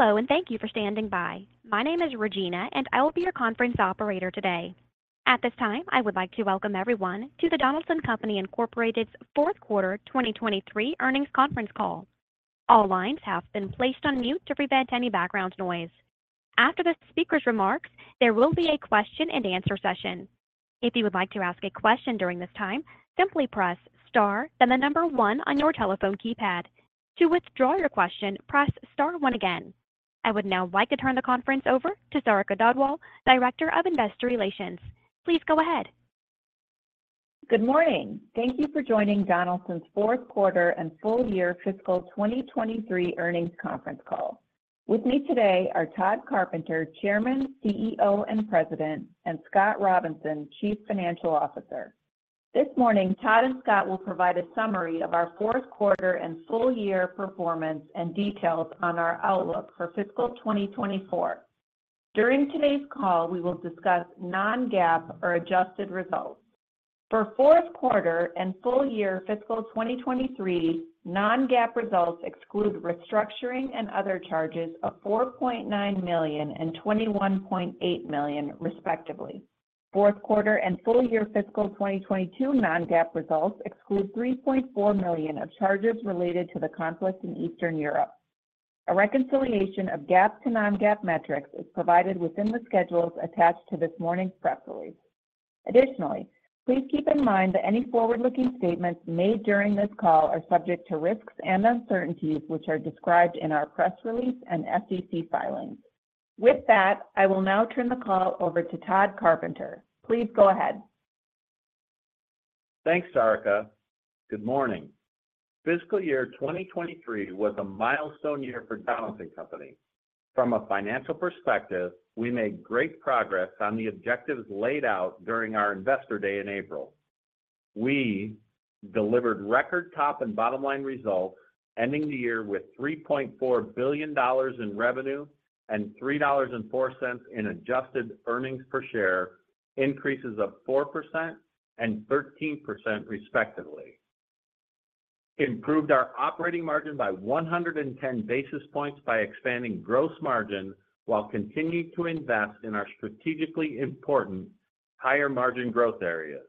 At this time, I would like to welcome everyone to the Donaldson Company, Inc.'s fourth quarter 2023 earnings conference call. All lines have been placed on mute to prevent any background noise. After the speaker's remarks, there will be a question-and-answer session. If you would like to ask a question during this time, simply press Star, then the number one on your telephone keypad. To withdraw your question, press Star one again. I would now like to turn the conference over to Sarika Dhadwal, Director of Investor Relations. Please go ahead. Good morning. Thank you for joining Donaldson's fourth quarter and full year fiscal 2023 earnings conference call. With me today are Tod Carpenter, Chairman, CEO, and President, and Scott Robinson, Chief Financial Officer. This morning, Tod and Scott will provide a summary of our fourth quarter and full year performance and details on our outlook for fiscal 2024. During today's call, we will discuss Non-GAAP or adjusted results. For fourth quarter and full year fiscal 2023, Non-GAAP results exclude restructuring and other charges of $4.9 million and $21.8 million, respectively. Fourth quarter and full year fiscal 2022 Non-GAAP results exclude $3.4 million of charges related to the conflict in Eastern Europe. A reconciliation of GAAP to Non-GAAP metrics is provided within the schedules attached to this morning's press release. Additionally, please keep in mind that any forward-looking statements made during this call are subject to risks and uncertainties, which are described in our press release and SEC filings. With that, I will now turn the call over to Tod Carpenter. Please go ahead. Thanks, Sarika. Good morning. Fiscal year 2023 was a milestone year for Donaldson Company. From a financial perspective, we made great progress on the objectives laid out during our Investor Day in April. We delivered record top and bottom line results, ending the year with $3.4 billion in revenue and $3.04 in adjusted earnings per share, increases of 4% and 13%, respectively. Improved our operating margin by 110 basis points by expanding gross margin while continuing to invest in our strategically important higher-margin growth areas.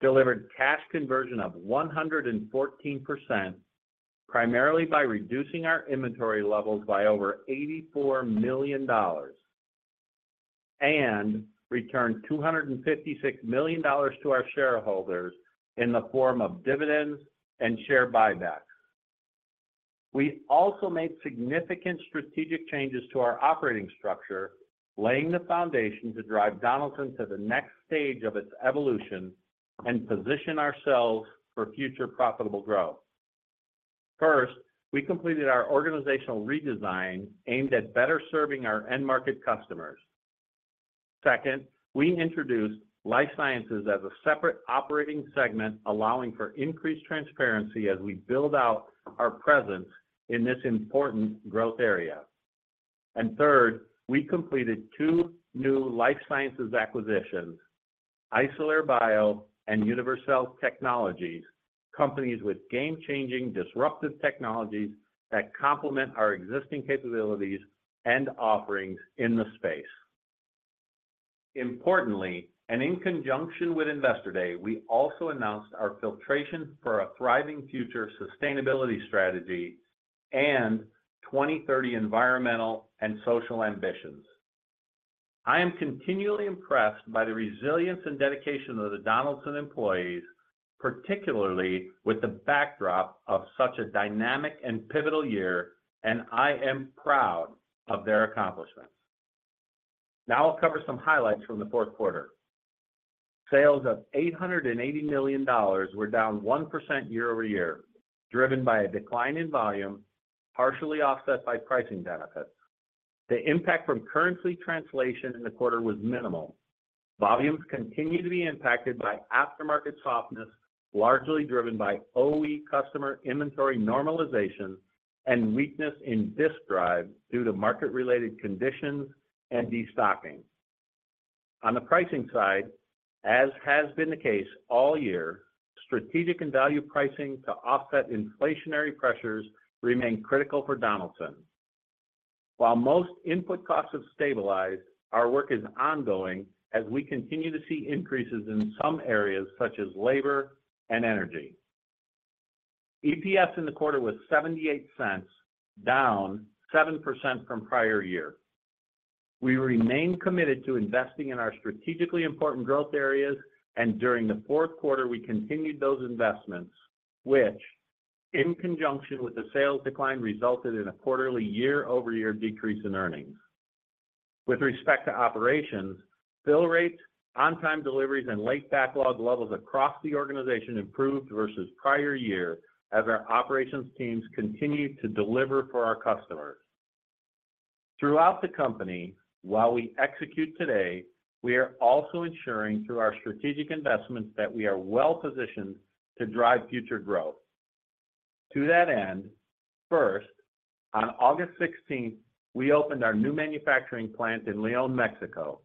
Delivered cash conversion of 114%, primarily by reducing our inventory levels by over $84 million, and returned $256 million to our shareholders in the form of dividends and share buybacks. We also made significant strategic changes to our operating structure, laying the foundation to drive Donaldson to the next stage of its evolution and position ourselves for future profitable growth. First, we completed our organizational redesign aimed at better serving our end market customers. Second, we introduced life sciences as a separate operating segment, allowing for increased transparency as we build out our presence in this important growth area. Third, we completed two new life sciences acquisitions, Isolere Bio and Univercells Technologies, companies with game-changing, disruptive technologies that complement our existing capabilities and offerings in the space. Importantly, and in conjunction with Investor Day, we also announced our Filtration for a Thriving Future sustainability strategy and 2030 environmental and social ambitions. I am continually impressed by the resilience and dedication of the Donaldson employees, particularly with the backdrop of such a dynamic and pivotal year, and I am proud of their accomplishments. Now I'll cover some highlights from the fourth quarter. Sales of $880 million were down 1% year over year, driven by a decline in volume, partially offset by pricing benefits. The impact from currency translation in the quarter was minimal. Volumes continue to be impacted by aftermarket softness, largely driven by OE customer inventory normalization and weakness in disk drive due to market-related conditions and destocking. On the pricing side, as has been the case all year, strategic and value pricing to offset inflationary pressures remain critical for Donaldson. While most input costs have stabilized, our work is ongoing as we continue to see increases in some areas, such as labor and energy. EPS in the quarter was $0.78, down 7% from prior year. We remain committed to investing in our strategically important growth areas, and during the fourth quarter, we continued those investments, which, in conjunction with the sales decline, resulted in a quarterly year-over-year decrease in earnings. With respect to operations, fill rates, on-time deliveries, and late backlog levels across the organization improved versus prior year as our operations teams continued to deliver for our customers. Throughout the company, while we execute today, we are also ensuring through our strategic investments that we are well positioned to drive future growth. To that end, first, on August 16, we opened our new manufacturing plant in León, Mexico.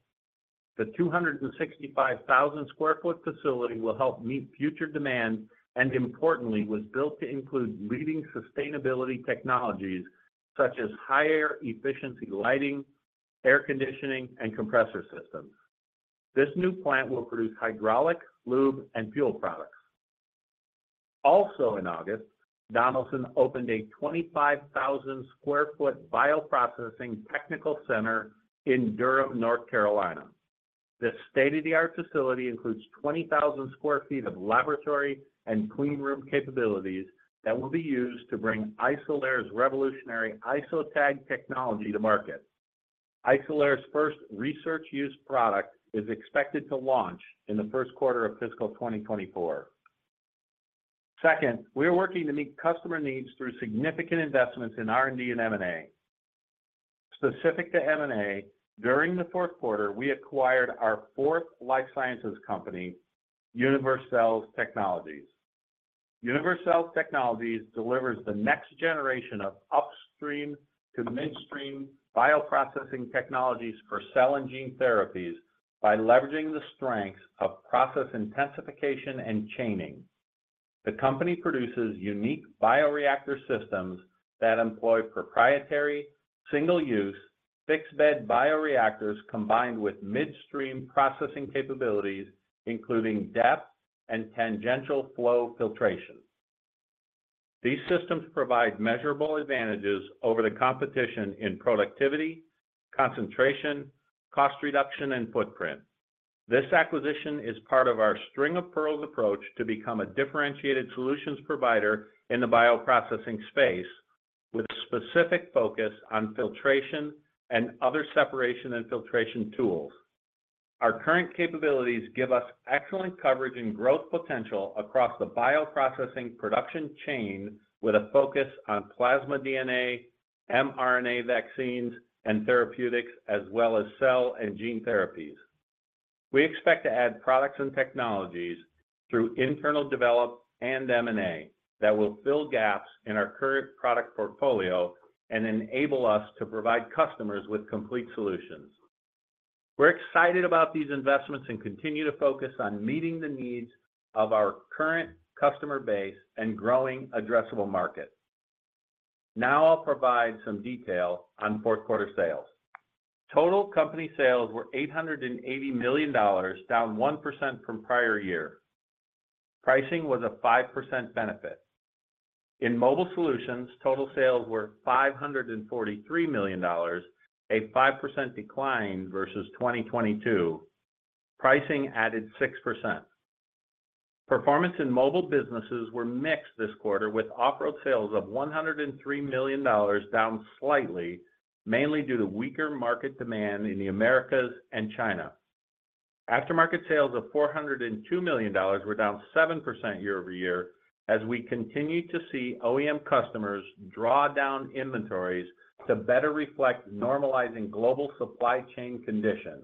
The 265,000 sq ft facility will help meet future demand, and importantly, was built to include leading sustainability technologies such as higher efficiency lighting, air conditioning, and compressor systems. This new plant will produce hydraulic, lube, and fuel products. Also in August, Donaldson opened a 25,000 sq ft bioprocessing technical center in Durham, North Carolina. This state-of-the-art facility includes 20,000 sq ft of laboratory and clean room capabilities that will be used to bring Isolere's revolutionary IsoTag technology to market. Isolere's first research use product is expected to launch in the first quarter of fiscal 2024. Second, we are working to meet customer needs through significant investments in R&D and M&A. Specific to M&A, during the fourth quarter, we acquired our fourth life sciences company, Univercells Technologies. Univercells Technologies delivers the next generation of upstream to midstream bioprocessing technologies for cell and gene therapies by leveraging the strengths of process intensification and chaining. The company produces unique bioreactor systems that employ proprietary, single-use, fixed-bed bioreactors, combined with midstream processing capabilities, including depth and tangential flow filtration. These systems provide measurable advantages over the competition in productivity, concentration, cost reduction, and footprint. This acquisition is part of our String-of-Pearls approach to become a differentiated solutions provider in the bioprocessing space, with a specific focus on filtration and other separation and filtration tools. Our current capabilities give us excellent coverage and growth potential across the bioprocessing production chain, with a focus on plasmid DNA, mRNA vaccines and therapeutics, as well as cell and gene therapies. We expect to add products and technologies through internal development and M&A, that will fill gaps in our current product portfolio and enable us to provide customers with complete solutions. We're excited about these investments and continue to focus on meeting the needs of our current customer base and growing addressable market. Now I'll provide some detail on fourth quarter sales. Total company sales were $880 million, down 1% from prior year. Pricing was a 5% benefit. In mobile solutions, total sales were $543 million, a 5% decline versus 2022. Pricing added 6%. Performance in mobile businesses were mixed this quarter, with off-road sales of $103 million down slightly, mainly due to weaker market demand in the Americas and China. Aftermarket sales of $402 million were down 7% year-over-year, as we continued to see OEM customers draw down inventories to better reflect normalizing global supply chain conditions.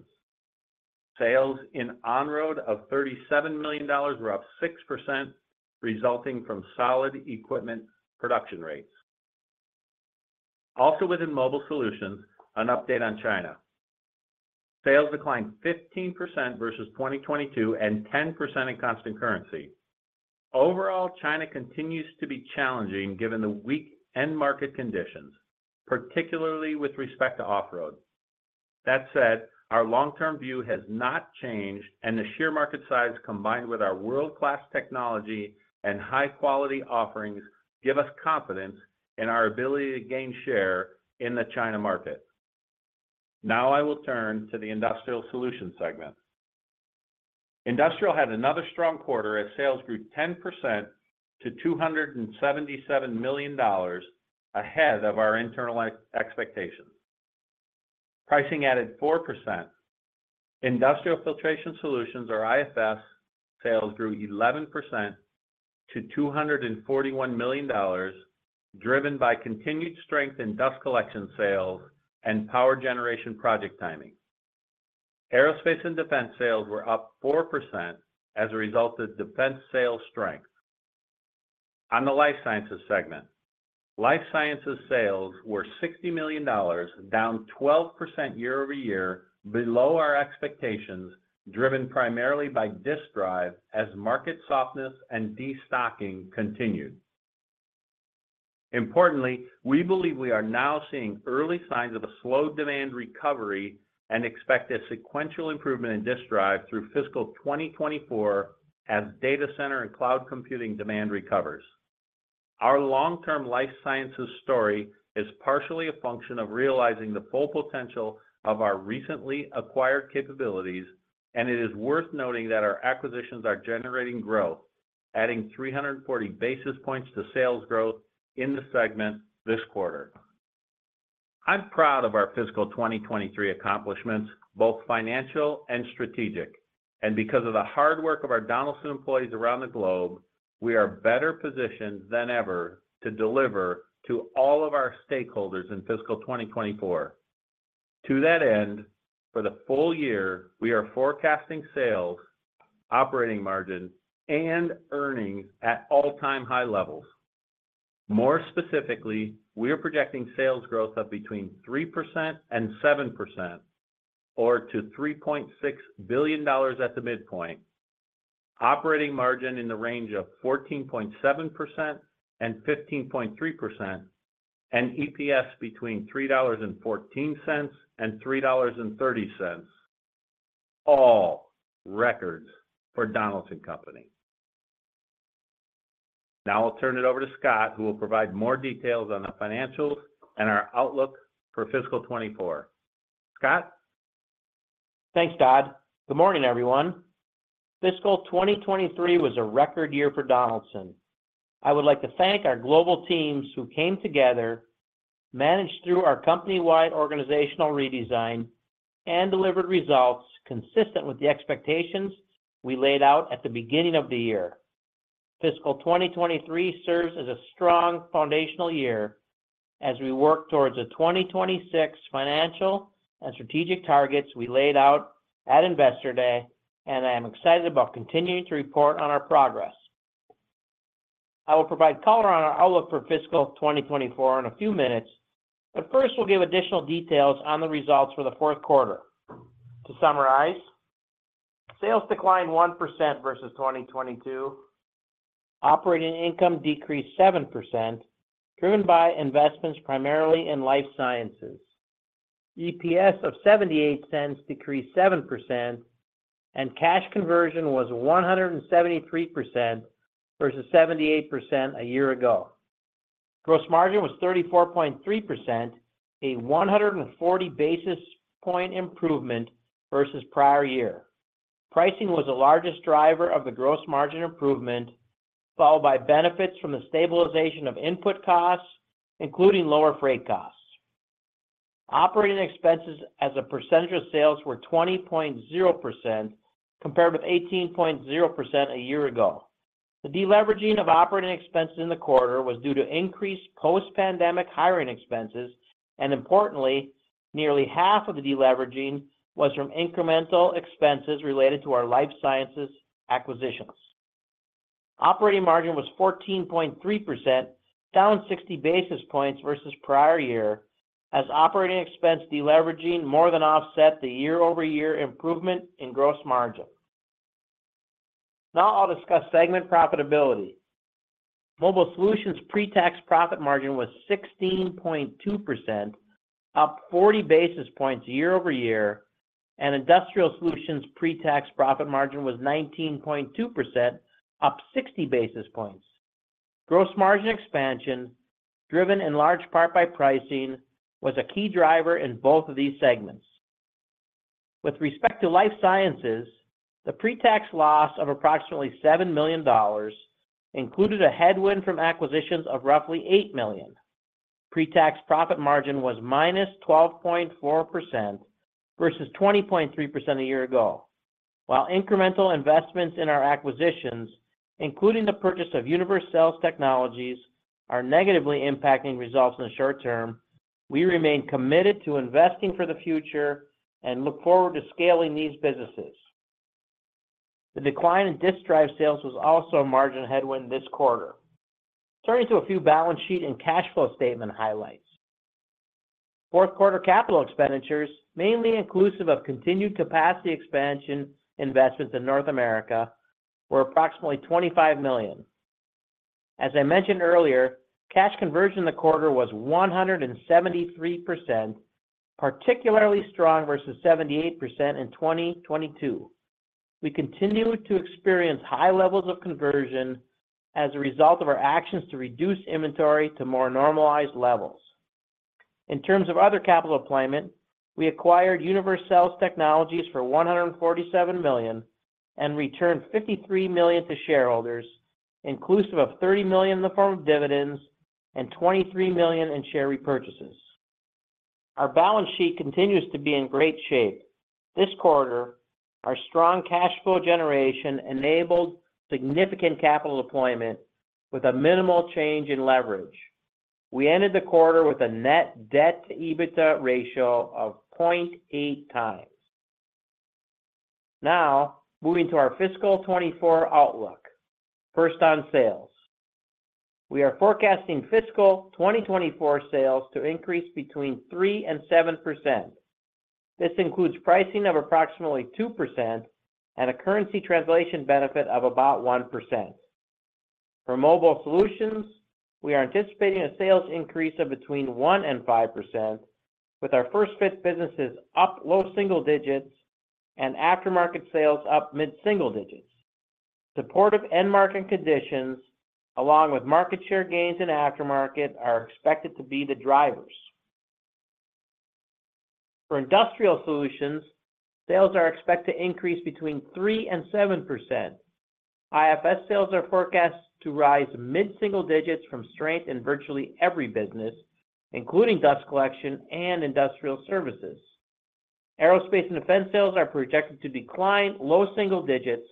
Sales in on-road of $37 million were up 6%, resulting from solid equipment production rates. Also within mobile solutions, an update on China. Sales declined 15% versus 2022, and 10% in constant currency. Overall, China continues to be challenging given the weak end market conditions, particularly with respect to off-road. That said, our long-term view has not changed, and the sheer market size, combined with our world-class technology and high-quality offerings, give us confidence in our ability to gain share in the China market. Now I will turn to the industrial solutions segment. Industrial had another strong quarter as sales grew 10% to $277 million, ahead of our internal expectations. Pricing added 4%. Industrial Filtration Solutions, or IFS, sales grew 11% to $241 million, driven by continued strength in dust collection sales and power generation project timing. Aerospace and defense sales were up 4% as a result of defense sales strength. On the life sciences segment, life sciences sales were $60 million, down 12% year-over-year, below our expectations, driven primarily by disk drive as market softness and destocking continued. Importantly, we believe we are now seeing early signs of a slow demand recovery and expect a sequential improvement in disk drive through fiscal 2024 as data center and cloud computing demand recovers. Our long-term life sciences story is partially a function of realizing the full potential of our recently acquired capabilities, and it is worth noting that our acquisitions are generating growth, adding 340 basis points to sales growth in the segment this quarter. I'm proud of our fiscal 2023 accomplishments, both financial and strategic, and because of the hard work of our Donaldson employees around the globe, we are better positioned than ever to deliver to all of our stakeholders in fiscal 2024. To that end, for the full year, we are forecasting sales, operating margin, and earnings at all-time high levels. More specifically, we are projecting sales growth of between 3% and 7%, or to $3.6 billion at the midpoint. Operating margin in the range of 14.7% and 15.3%, and EPS between $3.14 and $3.30. All records for Donaldson Company. Now I'll turn it over to Scott, who will provide more details on the financials and our outlook for fiscal 2024. Scott? Thanks, Tod. Good morning, everyone. Fiscal 2023 was a record year for Donaldson. I would like to thank our global teams who came together, managed through our company-wide organizational redesign, and delivered results consistent with the expectations we laid out at the beginning of the year. Fiscal 2023 serves as a strong foundational year as we work towards the 2020 financial and strategic targets we laid out at Investor Day, and I am excited about continuing to report on our progress. I will provide color on our outlook for fiscal 2024 in a few minutes, but first, we'll give additional details on the results for the fourth quarter. To summarize, sales declined 1% versus 2022. Operating income decreased 7%, driven by investments primarily in life sciences. EPS of $0.78 decreased 7%, and cash conversion was 173% versus 78% a year ago. Gross margin was 34.3%, a 140 basis point improvement versus prior year. Pricing was the largest driver of the gross margin improvement, followed by benefits from the stabilization of input costs, including lower freight costs. Operating expenses as a percentage of sales were 20.0%, compared with 18.0% a year ago. The deleveraging of operating expenses in the quarter was due to increased post-pandemic hiring expenses, and importantly, nearly half of the deleveraging was from incremental expenses related to our life sciences acquisitions. Operating margin was 14.3%, down 60 basis points versus prior year, as operating expense deleveraging more than offset the year-over-year improvement in gross margin. Now I'll discuss segment profitability. Mobile Solutions pre-tax profit margin was 16.2%, up 40 basis points year-over-year, and Industrial Solutions pre-tax profit margin was 19.2%, up 60 basis points. Gross margin expansion, driven in large part by pricing, was a key driver in both of these segments. With respect to life sciences, the pre-tax loss of approximately $7 million included a headwind from acquisitions of roughly $8 million. Pre-tax profit margin was -12.4% versus 20.3% a year ago. While incremental investments in our acquisitions, including the purchase of Univercells Technologies, are negatively impacting results in the short term, we remain committed to investing for the future and look forward to scaling these businesses. The decline in disk drive sales was also a margin headwind this quarter. Turning to a few balance sheet and cash flow statement highlights. Fourth quarter capital expenditures, mainly inclusive of continued capacity expansion investments in North America, were approximately $25 million. As I mentioned earlier, cash conversion in the quarter was 173%, particularly strong versus 78% in 2022. We continue to experience high levels of conversion as a result of our actions to reduce inventory to more normalized levels. In terms of other capital deployment, we acquired Univercells Technologies for $147 million and returned $53 million to shareholders, inclusive of $30 million in the form of dividends and $23 million in share repurchases. Our balance sheet continues to be in great shape. This quarter, our strong cash flow generation enabled significant capital deployment with a minimal change in leverage. We ended the quarter with a net debt to EBITDA ratio of 0.8 times. Now, moving to our fiscal 2024 outlook. First on sales. We are forecasting fiscal 2024 sales to increase between 3% and 7%. This includes pricing of approximately 2% and a currency translation benefit of about 1%. For mobile solutions, we are anticipating a sales increase of between 1% and 5%, with our first-fit businesses up low single digits and aftermarket sales up mid-single digits. Supportive end market conditions, along with market share gains and aftermarket, are expected to be the drivers. For industrial solutions, sales are expected to increase between 3% and 7%. IFS sales are forecast to rise mid-single digits from strength in virtually every business, including dust collection and industrial services. Aerospace and defense sales are projected to decline low single digits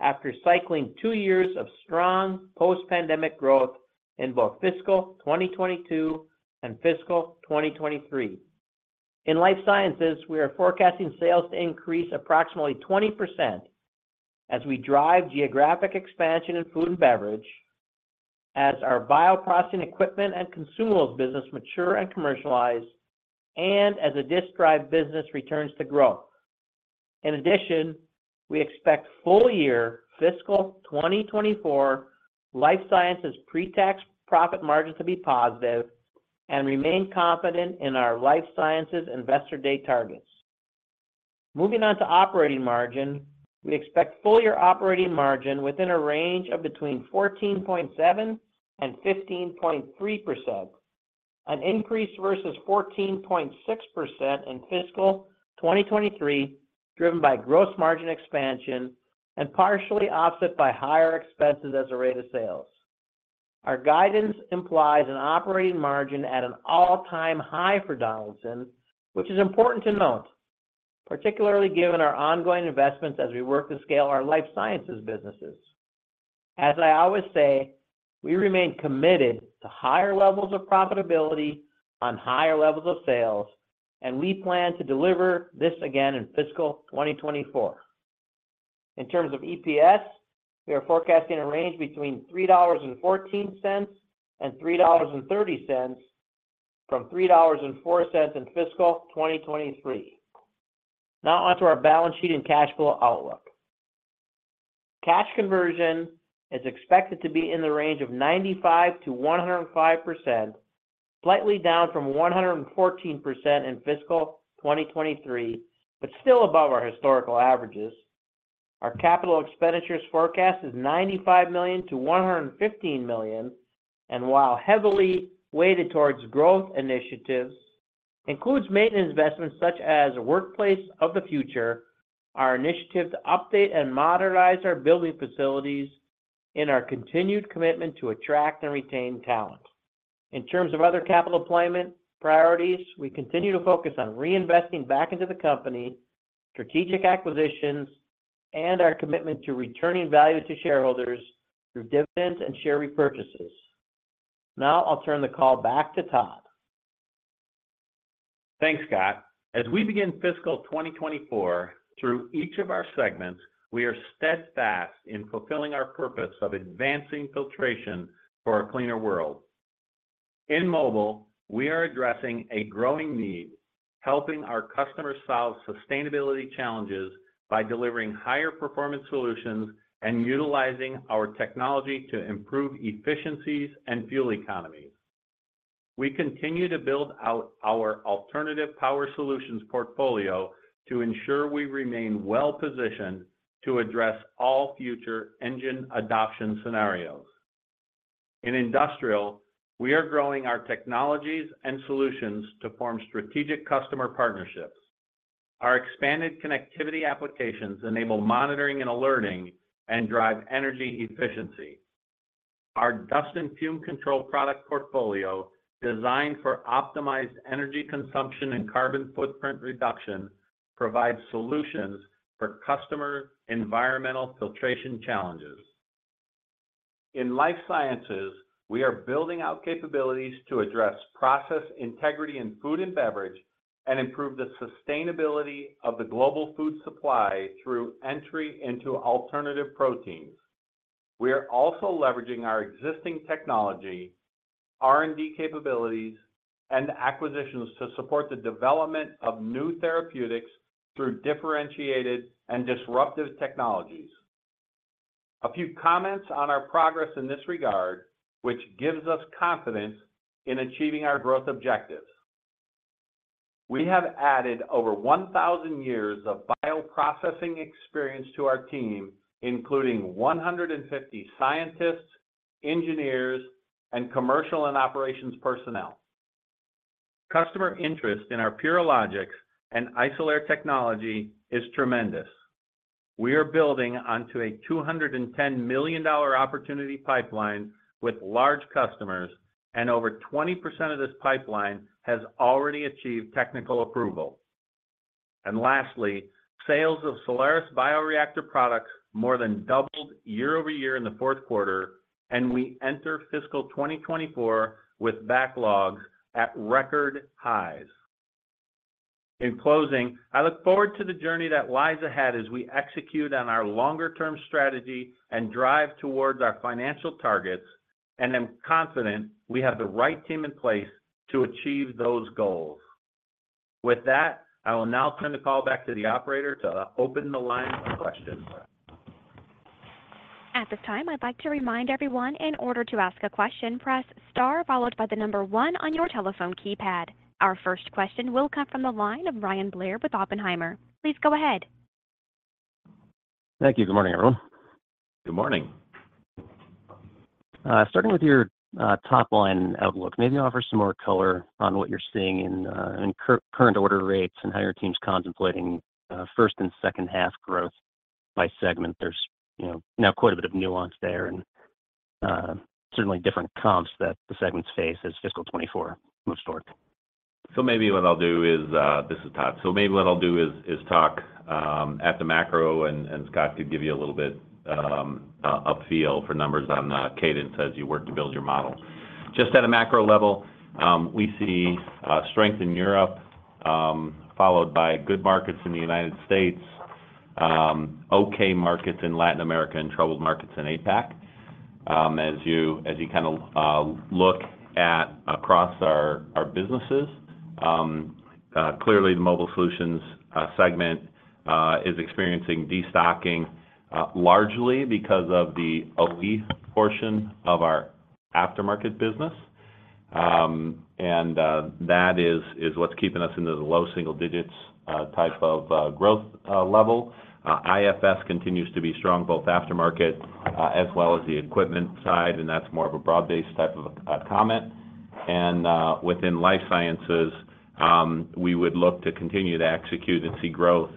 after cycling two years of strong post-pandemic growth in both fiscal 2022 and fiscal 2023. In life sciences, we are forecasting sales to increase approximately 20% as we drive geographic expansion in food and beverage, as our bioprocessing equipment and consumables business mature and commercialize, and as the disk drive business returns to growth. In addition, we expect full year fiscal 2024 life sciences pretax profit margin to be positive and remain confident in our life sciences investor day targets. Moving on to operating margin, we expect full year operating margin within a range of between 14.7% and 15.3%. An increase versus 14.6% in fiscal 2023, driven by gross margin expansion and partially offset by higher expenses as a rate of sales. Our guidance implies an operating margin at an all-time high for Donaldson, which is important to note, particularly given our ongoing investments as we work to scale our life sciences businesses. As I always say, we remain committed to higher levels of profitability on higher levels of sales, and we plan to deliver this again in fiscal 2024. In terms of EPS, we are forecasting a range between $3.14 and $3.30, from $3.04 in fiscal 2023. Now on to our balance sheet and cash flow outlook. Cash conversion is expected to be in the range of 95%-105%, slightly down from 114% in fiscal 2023, but still above our historical averages. Our capital expenditures forecast is $95 million-$115 million, and while heavily weighted towards growth initiatives, includes maintenance investments such as Workplace of the Future, our initiative to update and modernize our building facilities, and our continued commitment to attract and retain talent. In terms of other capital deployment priorities, we continue to focus on reinvesting back into the company, strategic acquisitions, and our commitment to returning value to shareholders through dividends and share repurchases. Now I'll turn the call back to Tod. Thanks, Scott. As we begin fiscal 2024, through each of our segments, we are steadfast in fulfilling our purpose of advancing filtration for a cleaner world. In Mobile, we are addressing a growing need, helping our customers solve sustainability challenges by delivering higher performance solutions and utilizing our technology to improve efficiencies and fuel economy. We continue to build out our alternative power solutions portfolio to ensure we remain well positioned to address all future engine adoption scenarios. In Industrial, we are growing our technologies and solutions to form strategic customer partnerships. Our expanded connectivity applications enable monitoring and alerting, and drive energy efficiency. Our dust and fume control product portfolio, designed for optimized energy consumption and carbon footprint reduction, provides solutions for customer environmental filtration challenges. In Life Sciences, we are building out capabilities to address process integrity in food and beverage, and improve the sustainability of the global food supply through entry into alternative proteins. We are also leveraging our existing technology, R&D capabilities, and acquisitions to support the development of new therapeutics through differentiated and disruptive technologies. A few comments on our progress in this regard, which gives us confidence in achieving our growth objectives. We have added over 1,000 years of bioprocessing experience to our team, including 150 scientists, engineers, and commercial and operations personnel. Customer interest in our Purilogics and Isolere technology is tremendous. We are building onto a $210 million opportunity pipeline with large customers, and over 20% of this pipeline has already achieved technical approval. Lastly, sales of Solaris bioreactor products more than doubled year-over-year in the fourth quarter, and we enter fiscal 2024 with backlogs at record highs. In closing, I look forward to the journey that lies ahead as we execute on our longer-term strategy and drive towards our financial targets, and I'm confident we have the right team in place to achieve those goals. With that, I will now turn the call back to the operator to open the line for questions. At this time, I'd like to remind everyone, in order to ask a question, press star followed by the number one on your telephone keypad. Our first question will come from the line of Bryan Blair with Oppenheimer. Please go ahead. Thank you. Good morning, everyone. Good morning. Starting with your top-line outlook, maybe offer some more color on what you're seeing in current order rates and how your team's contemplating first and second half growth by segment. There's, you know, now quite a bit of nuance there and certainly different comps that the segments face as fiscal 2024 moves forward. So maybe what I'll do is, This is Tod. So maybe what I'll do is talk at the macro, and Scott could give you a little bit a feel for numbers on the cadence as you work to build your model. Just at a macro level, we see strength in Europe followed by good markets in the United States, okay markets in Latin America, and troubled markets in APAC. As you kind of look at across our businesses, clearly, the Mobile Solutions segment is experiencing destocking, largely because of the OE portion of our aftermarket business. That is what's keeping us into the low single digits type of growth level. IFS continues to be strong, both aftermarket as well as the equipment side, and that's more of a broad-based type of comment. Within Life Sciences, we would look to continue to execute and see growth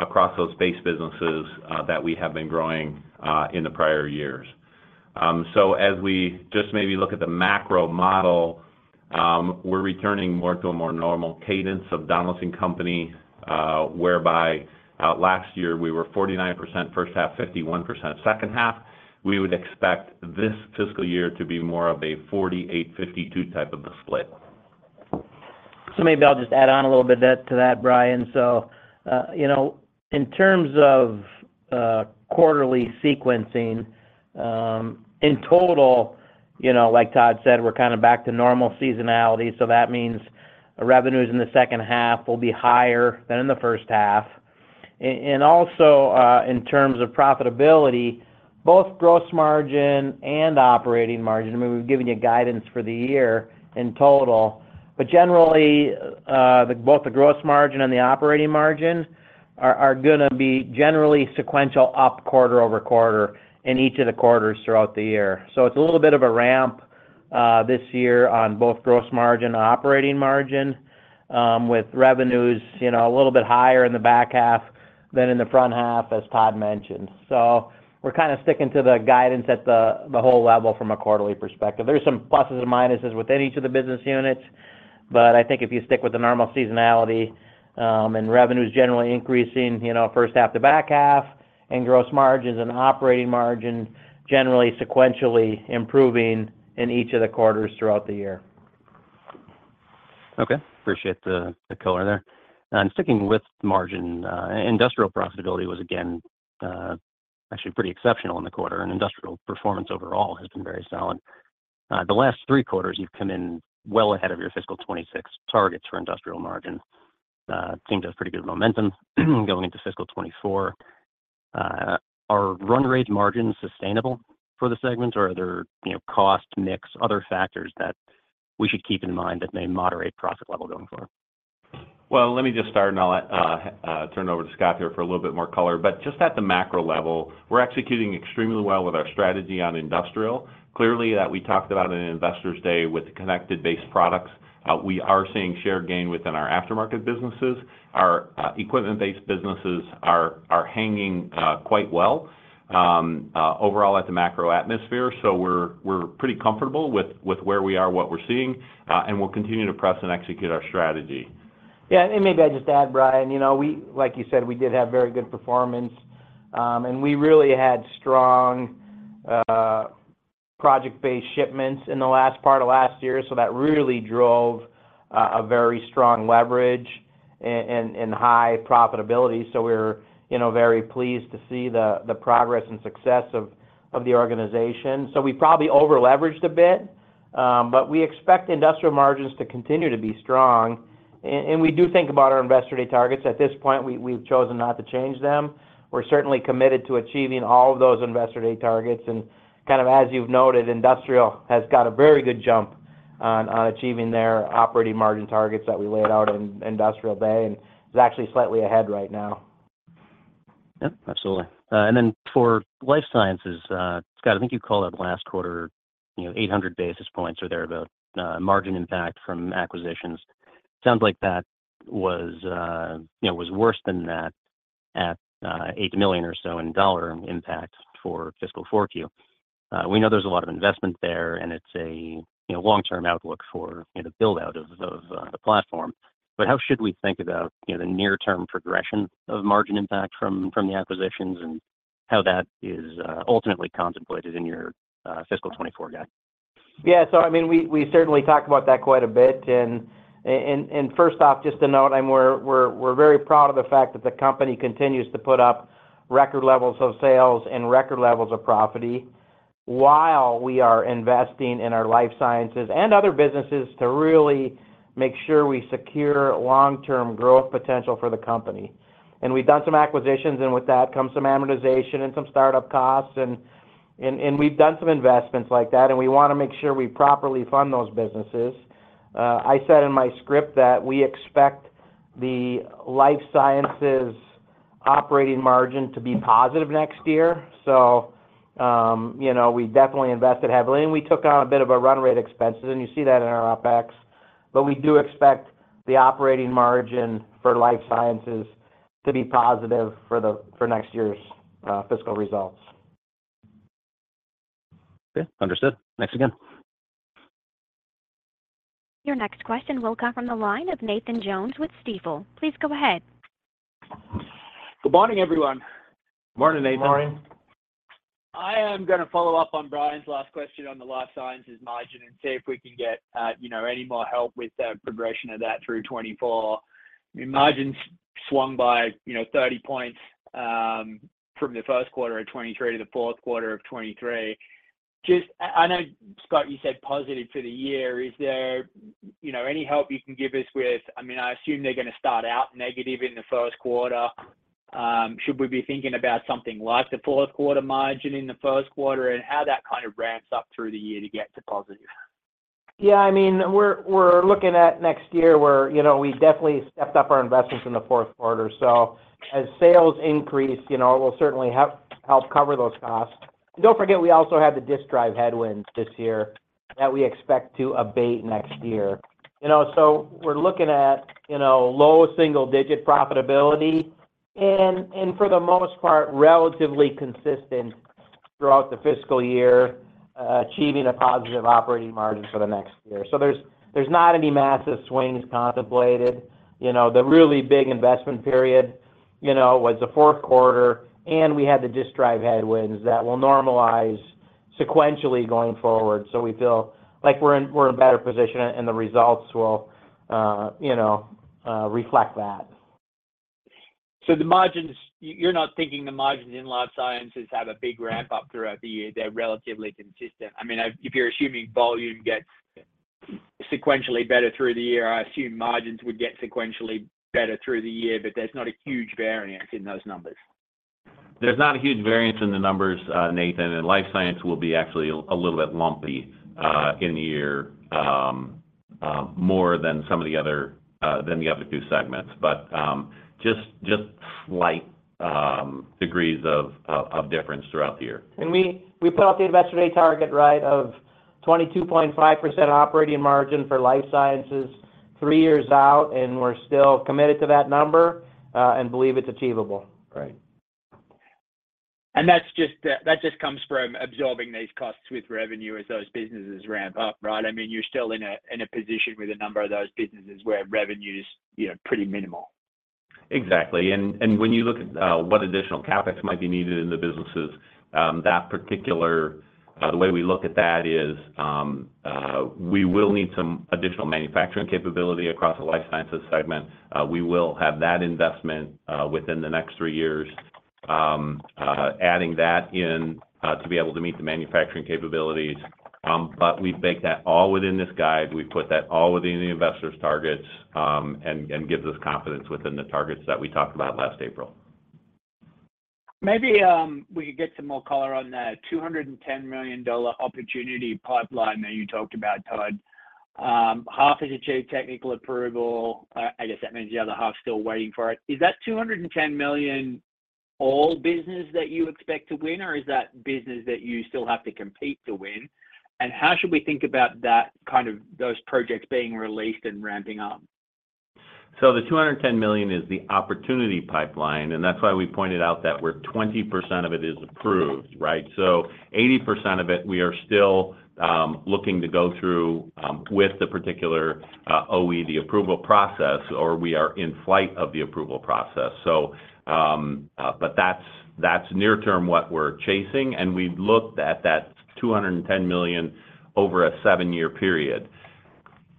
across those base businesses that we have been growing in the prior years. So as we just maybe look at the macro model, we're returning more to a more normal cadence of Donaldson Company, whereby last year we were 49% first half, 51% second half. We would expect this fiscal year to be more of a 48, 52 type of a split. So maybe I'll just add on a little bit that to that, Brian. So, you know, in terms of quarterly sequencing, in total, you know, like Tod said, we're kind of back to normal seasonality, so that means revenues in the second half will be higher than in the first half. Also, in terms of profitability, both gross margin and operating margin, I mean, we've given you guidance for the year in total, but generally, both the gross margin and the operating margin are gonna be generally sequential up quarter-over-quarter in each of the quarters throughout the year. So it's a little bit of a ramp, this year on both gross margin and operating margin, with revenues, you know, a little bit higher in the back half than in the front half, as Tod mentioned. So we're kind of sticking to the guidance at the whole level from a quarterly perspective. There are some pluses and minuses within each of the business units, but I think if you stick with the normal seasonality, and revenue's generally increasing, you know, first half to back half, and gross margins and operating margin generally sequentially improving in each of the quarters throughout the year. Okay. Appreciate the color there. Sticking with margin, industrial profitability was, again, actually pretty exceptional in the quarter, and industrial performance overall has been very solid. The last three quarters, you've come in well ahead of your fiscal 2026 targets for industrial margin. Seemed to have pretty good momentum, going into fiscal 2024. Are run rate margins sustainable for the segment, or are there, you know, cost, mix, other factors that we should keep in mind that may moderate profit level going forward? Well, let me just start, and I'll turn it over to Scott here for a little bit more color. But just at the macro level, we're executing extremely well with our strategy on industrial. Clearly, that we talked about in Investor's Day with the connected-based products. We are seeing share gain within our aftermarket businesses. Our equipment-based businesses are hanging quite well overall at the macro atmosphere. So we're pretty comfortable with where we are, what we're seeing, and we'll continue to press and execute our strategy. Yeah, and maybe I'll just add, Brian, you know, we, like you said, we did have very good performance, and we really had strong, project-based shipments in the last part of last year, so that really drove a very strong leverage and high profitability. So we're, you know, very pleased to see the progress and success of the organization. So we probably over-leveraged a bit, but we expect industrial margins to continue to be strong. We do think about our Investor Day targets. At this point, we've chosen not to change them. We're certainly committed to achieving all of those Investor Day targets. Kind of as you've noted, industrial has got a very good jump on achieving their operating margin targets that we laid out in Industrial Day, and is actually slightly ahead right now. Yep, absolutely. For life sciences, Scott, I think you called it last quarter, you know, 800 basis points or thereabout, margin impact from acquisitions. Sounds like that was, you know, was worse than that at, $8 million or so in dollar impact for fiscal 4Q. We know there's a lot of investment there, and it's a, you know, long-term outlook for, you know, the build-out of, of, the platform. But how should we think about, you know, the near-term progression of margin impact from, from the acquisitions, and how that is, ultimately contemplated in your, fiscal 2024 guide? Yeah. So I mean, we certainly talked about that quite a bit, and first off, just to note, we're very proud of the fact that the company continues to put up record levels of sales and record levels of property while we are investing in our life sciences and other businesses to really make sure we secure long-term growth potential for the company. We've done some acquisitions, and with that comes some amortization and some startup costs, and we've done some investments like that, and we wanna make sure we properly fund those businesses. I said in my script that we expect the life sciences operating margin to be positive next year. So, you know, we definitely invested heavily, and we took on a bit of a run rate expenses, and you see that in our OpEx. We do expect the operating margin for Life Sciences to be positive for next year's fiscal results. Okay, understood. Thanks again. Your next question will come from the line of Nathan Jones with Stifel. Please go ahead. Good morning, everyone. Morning, Nathan. Morning. I am gonna follow up on Brian's last question on the Life Sciences margin and see if we can get, you know, any more help with the progression of that through 2024. The margins swung by, you know, 30 points, from the first quarter of 2023 to the fourth quarter of 2023. Just, I know, Scott, you said positive for the year. Is there, you know, any help you can give us with-- I mean, I assume they're gonna start out negative in the first quarter. Should we be thinking about something like the fourth quarter margin in the first quarter, and how that kind of ramps up through the year to get to positive? Yeah, I mean, we're looking at next year, where, you know, we definitely stepped up our investments in the fourth quarter. So as sales increase, you know, we'll certainly help cover those costs. Don't forget, we also had the disk drive headwinds this year that we expect to abate next year. You know, so we're looking at, you know, low single-digit profitability and for the most part, relatively consistent throughout the fiscal year, achieving a positive operating margin for the next year. So there's not any massive swings contemplated. You know, the really big investment period, you know, was the fourth quarter, and we had the disk drive headwinds that will normalize sequentially going forward. So we feel like we're in a better position and the results will reflect that. So the margins, you're not thinking the margins in Life Sciences have a big ramp up throughout the year. They're relatively consistent. I mean, if you're assuming volume gets sequentially better through the year, I assume margins would get sequentially better through the year, but there's not a huge variance in those numbers. There's not a huge variance in the numbers, Nathan, and Life Sciences will be actually a little bit lumpy in the year, more than some of the other than the other two segments, but just slight degrees of difference throughout the year. We put out the investor day target, right, of 22.5% operating margin for Life Sciences three years out, and we're still committed to that number and believe it's achievable. Right. That's just that just comes from absorbing these costs with revenue as those businesses ramp up, right? I mean, you're still in a position with a number of those businesses where revenue is, you know, pretty minimal. Exactly. When you look at what additional CapEx might be needed in the businesses, the way we look at that is we will need some additional manufacturing capability across the Life Sciences segment. We will have that investment within the next three years. Adding that in to be able to meet the manufacturing capabilities, but we bake that all within this guide. We put that all within the investors' targets, and gives us confidence within the targets that we talked about last April. Maybe, we could get some more color on the $210 million opportunity pipeline that you talked about, Todd. Half has achieved technical approval. I guess that means the other half is still waiting for it. Is that $210 million all business that you expect to win, or is that business that you still have to compete to win? How should we think about that, kind of those projects being released and ramping up? The $210 million is the opportunity pipeline, and that's why we pointed out that where 20% of it is approved, right? Eighty percent of it, we are still looking to go through with the particular OE the approval process, or we are in flight of the approval process. But that's near term what we're chasing, and we've looked at that $210 million over a seven-year period.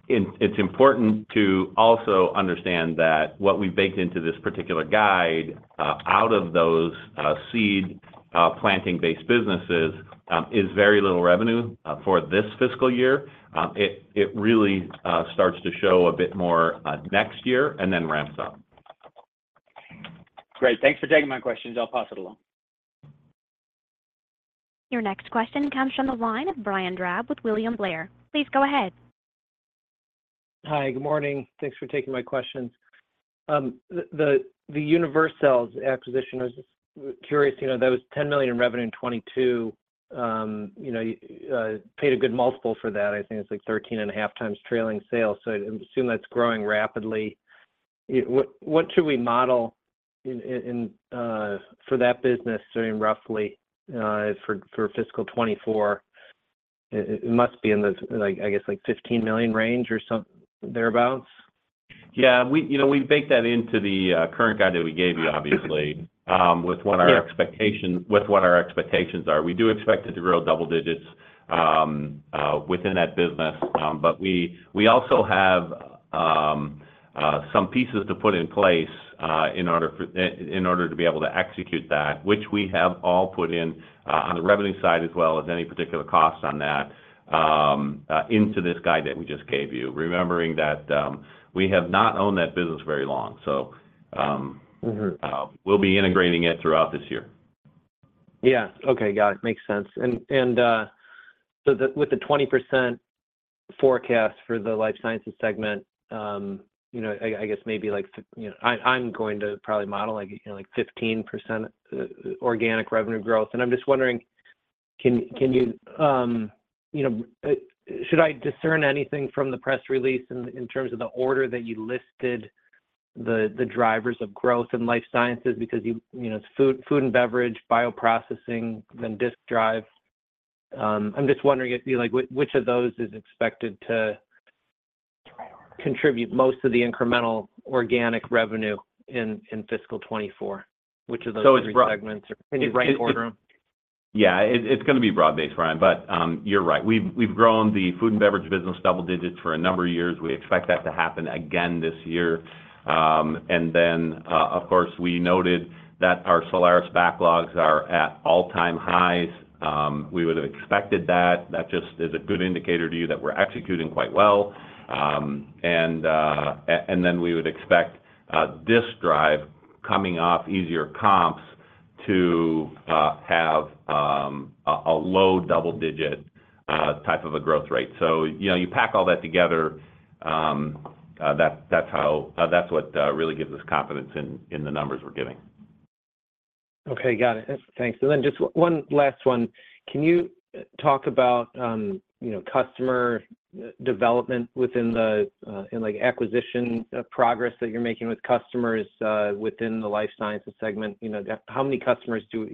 It's important to also understand that what we've baked into this particular guide out of those seed planting-based businesses is very little revenue for this fiscal year. It really starts to show a bit more next year and then ramps up. Great. Thanks for taking my questions. I'll pass it along. Your next question comes from the line of Brian Drab with William Blair. Please go ahead. Hi, good morning. Thanks for taking my questions. The Univercells acquisition, I was just curious, you know, that was $10 million in revenue in 2022. You know, you paid a good multiple for that. I think it's like 13.5x trailing sales, so I assume that's growing rapidly. What should we model in for that business doing roughly for fiscal 2024? It must be in the like, I guess, like $15 million range or some thereabout. Yeah, we, you know, we baked that into the current guide that we gave you, obviously, with what our expectation--with what our expectations are. We do expect it to grow double digits within that business. But we also have some pieces to put in place in order to be able to execute that, which we have all put in on the revenue side, as well as any particular cost on that into this guide that we just gave you. Remembering that, we have not owned that business very long, so we'll be integrating it throughout this year. Yeah. Okay, got it. Makes sense. So with the 20% forecast for the Life Sciences segment, you know, I, I guess maybe like, you know... I, I'm going to probably model, like, you know, like 15% organic revenue growth. I'm just wondering: can, can you, you know, should I discern anything from the press release in, in terms of the order that you listed the, the drivers of growth in Life Sciences? Because you know, food and beverage, bioprocessing, then disk drive. I'm just wondering if, like, which of those is expected to contribute most of the incremental organic revenue in, in fiscal 2024, which of those-segments or in the right order? Yeah, it's gonna be broad-based, Brian, but, you're right. We've grown the food and beverage business double digits for a number of years. We expect that to happen again this year. Of course, we noted that our Solaris backlogs are at all-time highs. We would have expected that. That just is a good indicator to you that we're executing quite well. We would expect disk drive coming off easier comps to have a low double digit type of a growth rate. So, you know, you pack all that together, that's how... That's what really gives us confidence in the numbers we're giving. Okay, got it. Thanks. Just one last one. Can you talk about, you know, customer development within the, in, like, acquisition progress that you're making with customers within the life sciences segment? You know, how many customers do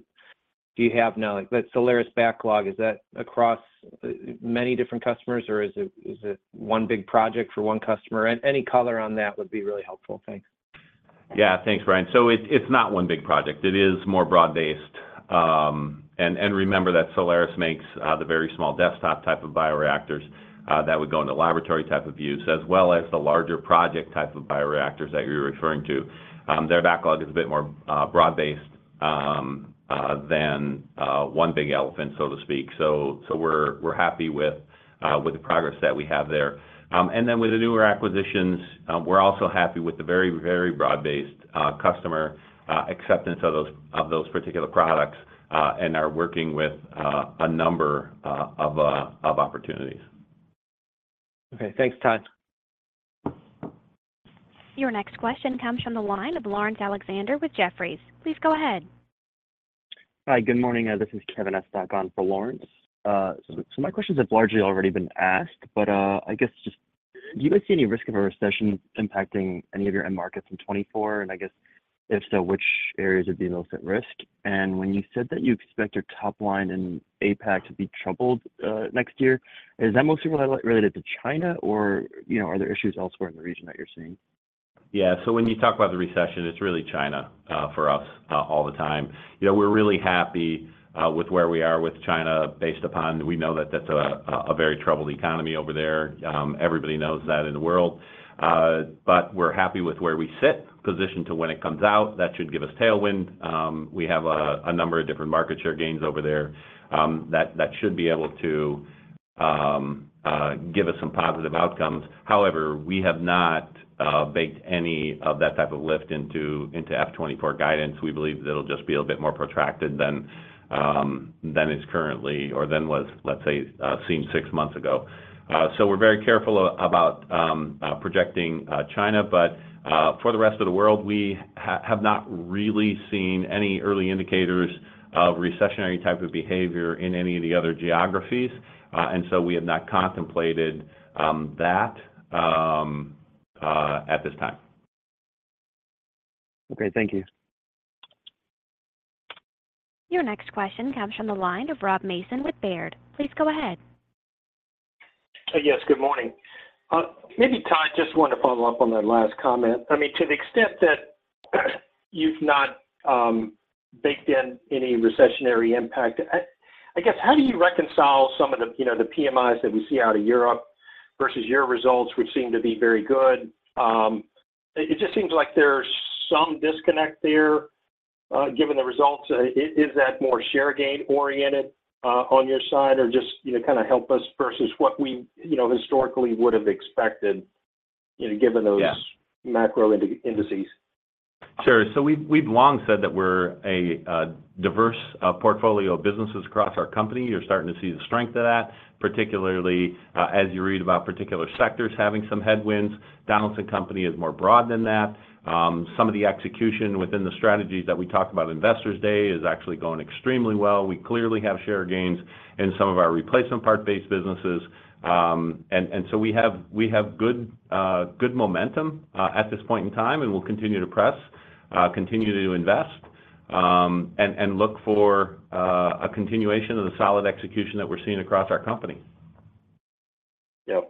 you have now? Like, that Solaris backlog, is that across many different customers, or is it one big project for one customer? Any color on that would be really helpful. Thanks. Yeah. Thanks, Brian. So it, it's not one big project. It is more broad-based. Remember that Solaris makes the very small desktop type of bioreactors that would go into laboratory type of use, as well as the larger project type of bioreactors that you're referring to. Their backlog is a bit more broad-based than one big elephant, so to speak. So, so we're, we're happy with with the progress that we have there. With the newer acquisitions, we're also happy with the very, very broad-based customer acceptance of those, of those particular products and are working with a number of of opportunities. Okay. Thanks, Tod. Your next question comes from the line of Laurence Alexander with Jefferies. Please go ahead. Hi, good morning. This is Kevin Estok on for Laurence. So my questions have largely already been asked, but I guess just, do you guys see any risk of a recession impacting any of your end markets in 2024? I guess, if so, which areas would be most at risk? When you said that you expect your top line in APAC to be troubled next year, is that mostly related to China, or, you know, are there issues elsewhere in the region that you're seeing? Yeah. So when you talk about the recession, it's really China, for us, all the time. You know, we're really happy, with where we are with China, based upon... We know that that's a, a very troubled economy over there. Everybody knows that in the world. But we're happy with where we sit, positioned to when it comes out, that should give us tailwind. We have a, a number of different market share gains over there, that, that should be able to, give us some positive outcomes. However, we have not, baked any of that type of lift into, into F '24 guidance. We believe that it'll just be a bit more protracted than, than it's currently or than was, let's say, seemed six months ago. So we're very careful about projecting China, but for the rest of the world, we have not really seen any early indicators of recessionary type of behavior in any of the other geographies. So we have not contemplated that at this time. Okay. Thank you. Your next question comes from the line of Rob Mason with Baird. Please go ahead. Yes, good morning. Maybe, Tod, just wanted to follow up on that last comment. I mean, to the extent that, you've not baked in any recessionary impact, I guess, how do you reconcile some of the, you know, the PMIs that we see out of Europe versus your results, which seem to be very good? It just seems like there's some disconnect there, given the results. Is that more share gain oriented, on your side? Or just, you know, kind of help us versus what we, you know, historically would have expected, you know, given those macro indices. Sure. So we've long said that we're a diverse portfolio of businesses across our company. You're starting to see the strength of that, particularly, as you read about particular sectors having some headwinds. Donaldson Company is more broad than that. Some of the execution within the strategies that we talked about Investors Day is actually going extremely well. We clearly have share gains in some of our replacement part-based businesses. So we have good momentum at this point in time, and we'll continue to press, continue to invest, and look for a continuation of the solid execution that we're seeing across our company. Yep.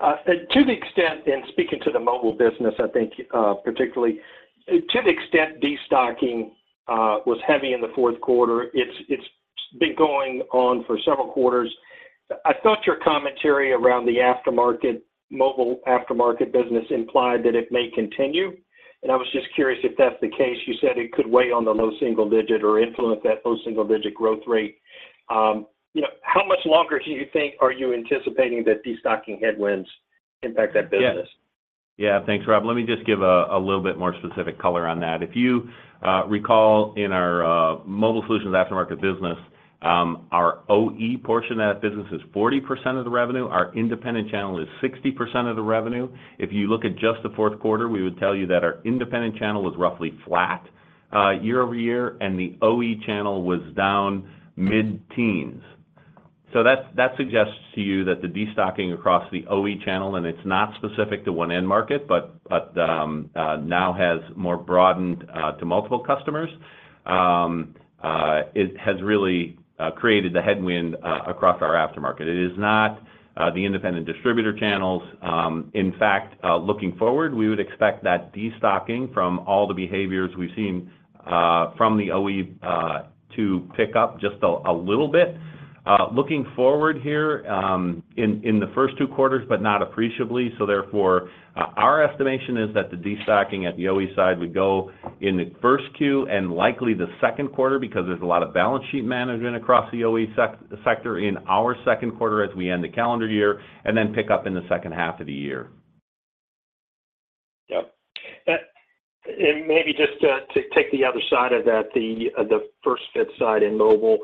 To the extent, in speaking to the mobile business, I think, particularly, to the extent destocking was heavy in the fourth quarter, it's, it's been going on for several quarters. I thought your commentary around the aftermarket, mobile aftermarket business implied that it may continue, and I was just curious if that's the case. You said it could weigh on the low single digit or influence that low single digit growth rate. You know, how much longer do you think are you anticipating that destocking headwinds impact that business? Yeah. Yeah, thanks, Rob. Let me just give a little bit more specific color on that. If you recall in our mobile solutions aftermarket business, our OE portion of that business is 40% of the revenue. Our independent channel is 60% of the revenue. If you look at just the fourth quarter, we would tell you that our independent channel was roughly flat year-over-year, and the OE channel was down mid-teens. So that suggests to you that the destocking across the OE channel, and it's not specific to one end market, but now has more broadened to multiple customers, it has really created the headwind across our aftermarket. It is not the independent distributor channels. In fact, looking forward, we would expect that destocking from all the behaviors we've seen, from the OE, to pick up just a little bit, looking forward here, in the first two quarters, but not appreciably. So therefore, our estimation is that the destocking at the OE side would go in the first Q and likely the second quarter, because there's a lot of balance sheet management across the OE sector in our second quarter as we end the calendar year, and then pick up in the second half of the year. Yep. Maybe just to take the other side of that, the First-Fit side in mobile.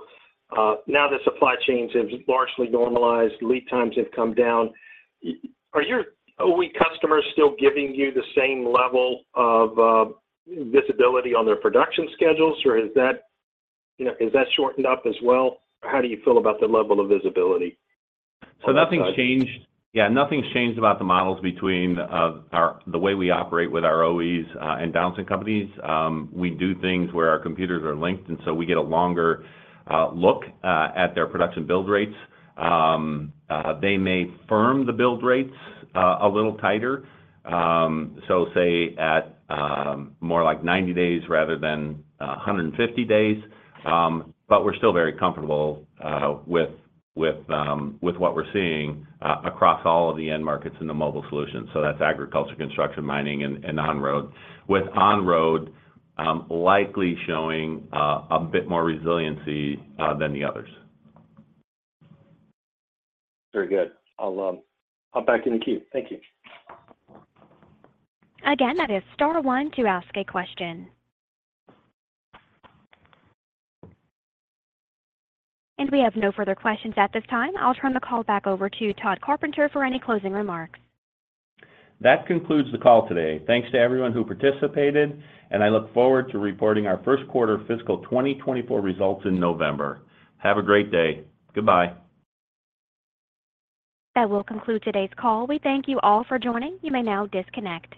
Now the supply chains have largely normalized, lead times have come down. Are your OE customers still giving you the same level of visibility on their production schedules, or is that, you know, is that shortened up as well? How do you feel about the level of visibility on that side? So nothing's changed. Yeah, nothing's changed about the models between our the way we operate with our OEs and balancing companies. We do things where our computers are linked, and so we get a longer look at their production build rates. They may firm the build rates a little tighter. So say at more like 90 days rather than 150 days. But we're still very comfortable with what we're seeing across all of the end markets in the mobile solution. So that's agriculture, construction, mining, and on-road. With on-road likely showing a bit more resiliency than the others. Very good. I'll pop back in the queue. Thank you. Again, that is star one to ask a question. We have no further questions at this time. I'll turn the call back over to Tod Carpenter for any closing remarks. That concludes the call today. Thanks to everyone who participated, and I look forward to reporting our first quarter fiscal 2024 results in November. Have a great day. Goodbye. That will conclude today's call. We thank you all for joining. You may now disconnect.